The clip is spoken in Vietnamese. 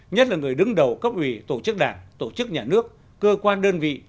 nhất là người đứng đầu cấp ủy tổ chức đảng tổ chức nhà nước cơ quan đơn vị